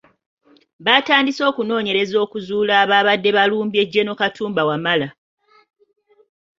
Baatandise okunoonyereza okuzuula abaabadde balumbye Gen. Katumba Wamala.